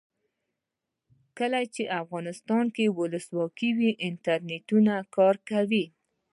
کله چې افغانستان کې ولسواکي وي انټرنیټ کار کوي.